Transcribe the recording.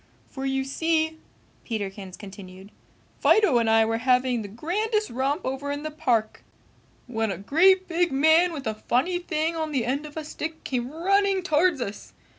For you see," Peterkins continued, "Fido and I were having the grandest romp over in the park when a great big man with a funny thing on the end of a stick came running towards us.